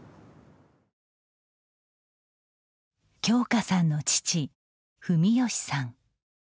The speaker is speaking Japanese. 京佳さんの父文禎さん。